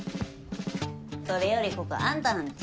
それよりここあんたらん家？